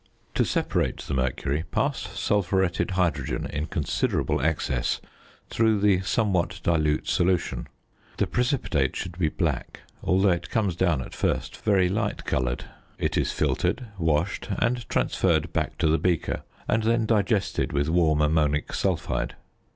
To separate the mercury, pass sulphuretted hydrogen in considerable excess through the somewhat dilute solution. The precipitate should be black, although it comes down at first very light coloured. It is filtered, washed, and transferred back to the beaker, and then digested with warm ammonic sulphide.